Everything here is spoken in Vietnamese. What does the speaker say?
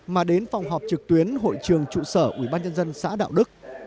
mà đến phòng họp trực tuyến hội trường trụ sở ubnd xã đạo đức